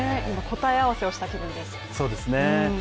今、答え合わせをした気分です。